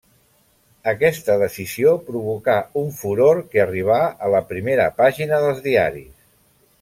Aquesta decisió provocà un furor que arribà a la primera pàgina dels diaris.